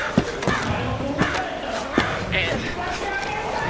お前が売れたんやったら引っ張ってあげんかい！